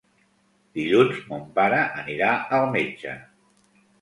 Dilluns mon pare anirà al metge.